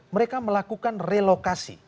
mereka melakukan relokasi